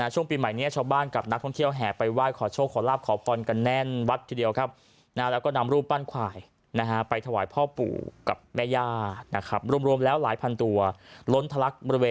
ช่วงปีใหม่ที่นี้ภาษาบ้านกับนักท่องเที่ยวแหกไปว่า